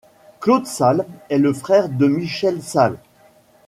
Claude Sales est le frère de Michel Sales.